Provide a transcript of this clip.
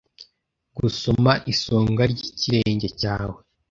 gusoma isonga ry'ikirenge cyawe